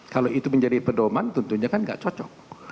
kalau itu menjadi pedoman tentunya kan nggak cocok